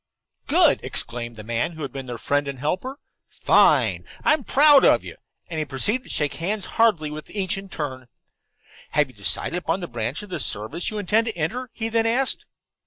"Good!" exclaimed the man who had been their friend and helper. "Fine! I'm proud of you," and he proceeded to shake hands heartily with each in turn. "Have you decided upon the branch of the service you intend to enter?" he then asked.